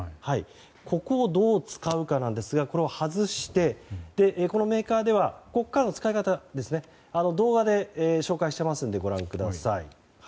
ここをどう使うかなんですがこれを外してこのメーカーではここからの使い方を動画で紹介していますのでご覧ください。